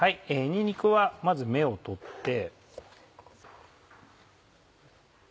にんにくはまず芽を取って。